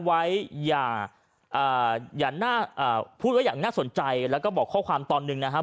ไว้อย่าน่าพูดไว้อย่างน่าสนใจแล้วก็บอกข้อความตอนหนึ่งนะครับ